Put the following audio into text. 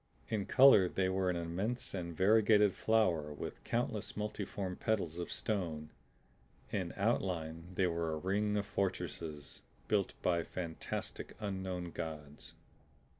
In color they were an immense and variegated flower with countless multiform petals of stone; in outline they were a ring of fortresses built by fantastic unknown Gods.